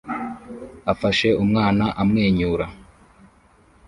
afashe umwana amwenyura